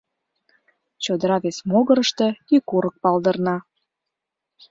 Чодыра вес могырышто кӱ курык палдырна.